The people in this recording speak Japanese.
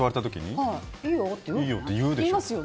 いいよ、って言うでしょ。